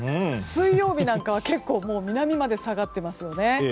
水曜日なんかは結構もう南まで下がってますよね。